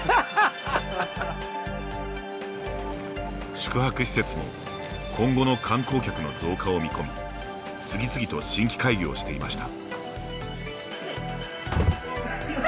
宿泊施設も今後の観光客の増加を見込み次々と新規開業していました。